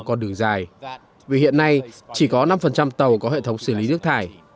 còn đường dài vì hiện nay chỉ có năm tàu có hệ thống xử lý nước thải